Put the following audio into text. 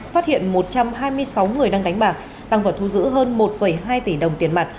phát hiện một trăm hai mươi sáu người đang đánh bạc tăng vào thu giữ hơn một hai tỷ đồng tiền mặt